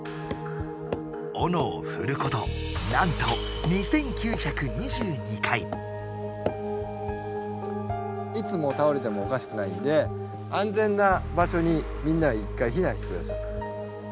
オノをふることなんといつもうたおれてもおかしくないんであんぜんな場所にみんなは一回ひなんしてください。